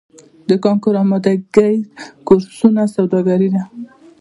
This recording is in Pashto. د کانکور امادګۍ کورسونه سوداګري ده؟